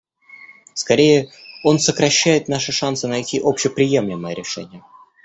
Скорее, он сокращает наши шансы найти общеприемлемое решение.